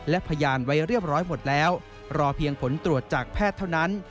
และพยานไว้เรียบร้อยหมดแล้วรอเพียงผลตรวจจากแพทย์เท่านั้น